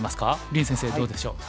林先生どうでしょう？